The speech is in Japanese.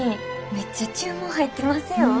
めっちゃ注文入ってますよ。